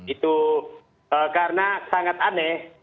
itu karena sangat aneh